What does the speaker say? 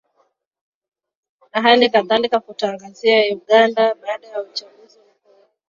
na hali kadhalika tutaangazia uganda baada ya uchaguzi mkuu